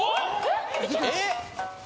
えっ？